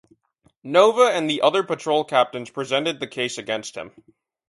Nova and the other patrol captains presented the case against him.